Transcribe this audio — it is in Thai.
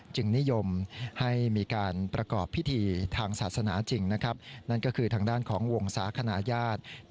นิยมให้มีการประกอบพิธีทางศาสนาจริงนะครับนั่นก็คือทางด้านของวงศาคณะญาติ